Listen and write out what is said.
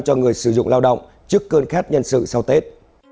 cho người sử dụng lao động trước cơn khát nhân sự sau tết